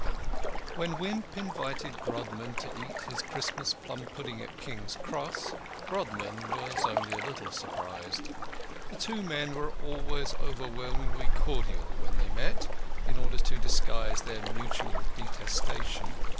VII When Wimp invited Grodman to eat his Christmas plum pudding at King's Cross, Grodman was only a little surprised. The two men were always overwhelmingly cordial when they met, in order to disguise their mutual detestation.